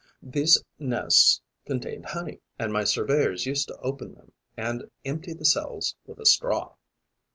These nests contained honey; and my surveyors used to open them and empty the cells with a straw.